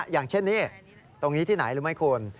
อย่างเช่นนี้ตรงนี้ที่ไหนรู้ไหมคุณ